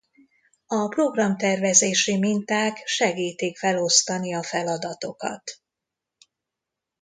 A programtervezési minták segítik felosztani a feladatokat.